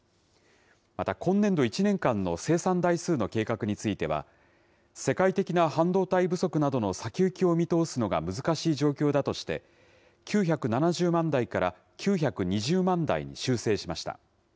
また今年度１年間の生産台数の計画については、世界的な半導体不足などの先行きを見通すのが難しい状況だとして、９７０万台から９２０万台に修正しました。